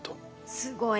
すごい。